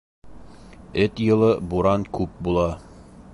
Эт йылы буран күп була.